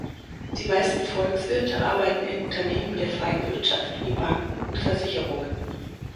Die meisten Volkswirte arbeiten in Unternehmen der freien Wirtschaft wie Banken und Versicherungen.